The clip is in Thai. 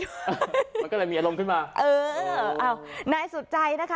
มันก็เลยมีอารมณ์ขึ้นมาเอออ้าวนายสุดใจนะคะ